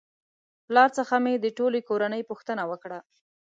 پلار څخه مې د ټولې کورنۍ پوښتنه وکړه